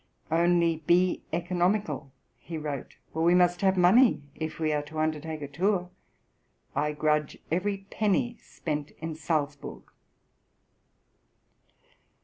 "Only be economical," he wrote, "for we must have money if we are to undertake a tour; I grudge every penny spent in Salzburg."